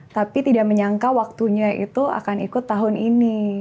tapi tidak menyangka waktunya itu akan ikut tahun ini